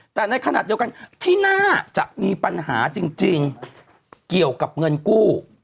แต่ในขณะเดียวกันที่น่าจะมีปัญหาจริงเกี่ยวกับเงินกู้